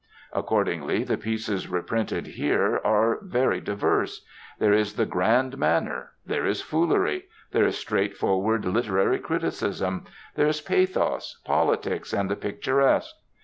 Accordingly the pieces reprinted here are very diverse. There is the grand manner; there is foolery; there is straightforward literary criticism; there is pathos, politics, and the picturesque.